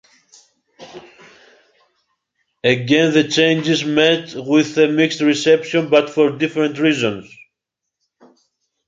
Again, the changes met with a mixed reception, but for different reasons.